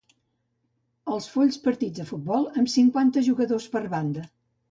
Els folls partits de futbol, amb cinquanta jugadors per banda